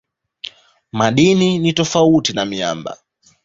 Madini ni tofauti na miamba.